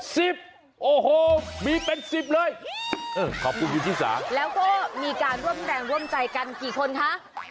สิบโอโหมีเป็นสิบเลยอืมขอบคุณยุทิศาแล้วโคมีการร่วมแรงร่วมใจกันกี่คนค่ะ